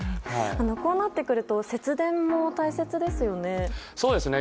こうなってくると節電も大切ですよね。